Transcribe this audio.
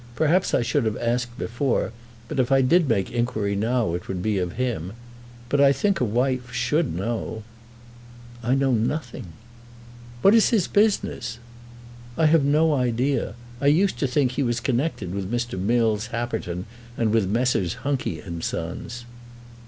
Perhaps I should have asked before; but if I did make inquiry now it would be of him. But I think a wife should know." "I know nothing." "What is his business?" "I have no idea. I used to think he was connected with Mr. Mills Happerton and with Messrs. Hunky and Sons."